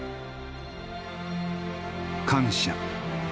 感謝。